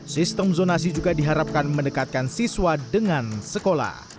sistem zonasi juga diharapkan mendekatkan siswa dengan sekolah